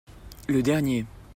Le dernier.